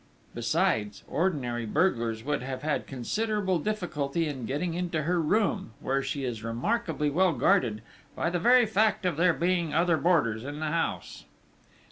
Besides, ordinary burglars would have had considerable difficulty in getting into her room, where she is remarkably well guarded, by the very fact of there being other boarders in the house....